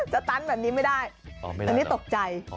ตันแบบนี้ไม่ได้อันนี้ตกใจ